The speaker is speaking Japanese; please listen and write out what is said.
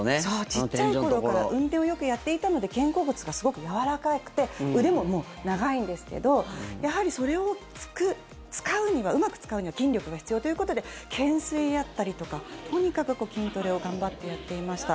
ちっちゃい頃からうんていをよくやっていたので肩甲骨がすごくやわらかくて腕も長いんですけどやはり、それをうまく使うには筋力が必要ということで懸垂やったりとかとにかく筋トレを頑張ってやっていました。